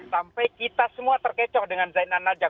sampai kita semua terkecoh dengan zainal najah